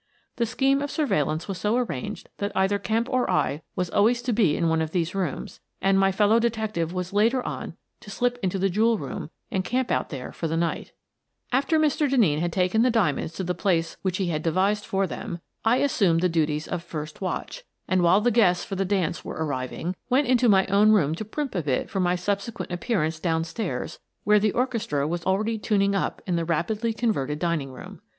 The scheme of surveillance was so arranged that either Kemp or I was always to be in one of these rooms, and my fellow detective was later on to slip into the jewel room, and camp out there for the night After Mr. Denneen had taken the diamonds to the place which he had devised for them, I assumed the duties of " first watch," and, while the guests for the dance were arriving, went into my own Exit the Jewels 27 room to primp a bit for my subsequent appearance down stairs where the orchestra was already tun ing up in the rapidly converted dining room.